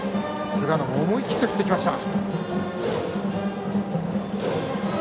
菅野、思い切って振ってきました。